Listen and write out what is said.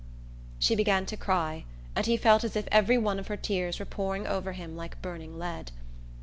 She began to cry, and he felt as if every one of her tears were pouring over him like burning lead.